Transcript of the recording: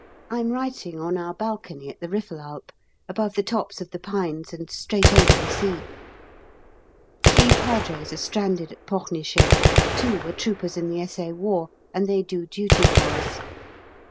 I'm writing on our balcony at the Riffelalp, above the tops of the pines, and straight over the sea. Three Padres are stranded at Pornichet two were troopers in the S.A. War, and they do duty for us.